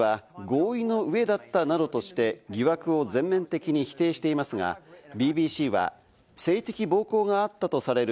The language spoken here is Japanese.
ブランド氏は合意の上だったなどとして、疑惑を全面的に否定していますが、ＢＢＣは性的暴行があったとされる